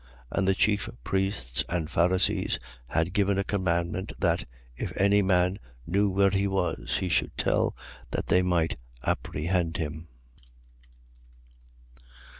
And the chief priests and Pharisees had given a commandment that, if any man knew where he was, he should tell, that they might apprehend him.